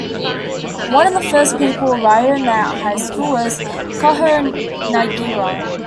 One of the first people Ryo met at high school was Kaho Nagira.